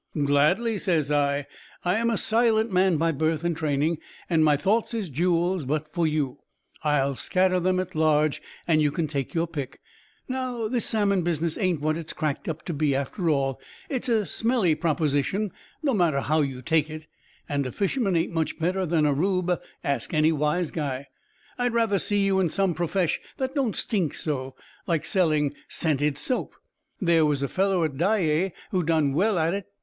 "'Gladly,' says I; 'I am a silent man by birth and training, and my thoughts is jewels, but for you, I'll scatter them at large, and you can take your pick. Now, this salmon business ain't what it's cracked up to be, after all. It's a smelly proposition, no matter how you take it, and a fisherman ain't much better than a Reub; ask any wise guy. I'd rather see you in some profesh that don't stink so, like selling scented soap. There was a feller at Dyea who done well at it.